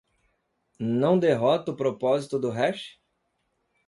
Não derrota o propósito do hash?